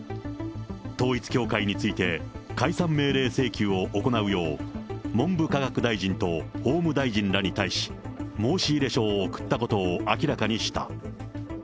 統一教会について、解散命令請求を行うよう、文部科学大臣と法務大臣らに対し、申し入れ書を送ったことを明らかにした。